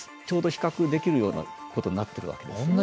ちょうど比較できるようなことになってるわけです。